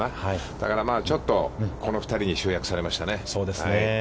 だから、ちょっとこの２人に集約されましたね。